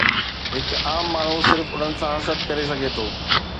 هڪ عام ماڻهو صرف انهن سان حسد ڪري سگهي ٿو.